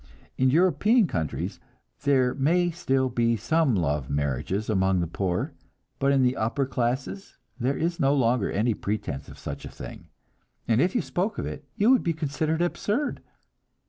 In European countries there may still be some love marriages among the poor, but in the upper classes there is no longer any pretense of such a thing, and if you spoke of it you would be considered absurd.